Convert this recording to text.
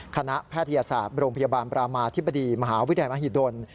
แพทยศาสตร์โรงพยาบาลประมาธิบดีมหาวิทยาลัยมหิดล